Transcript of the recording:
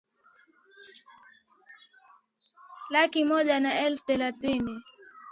laki moja na elfu thelathini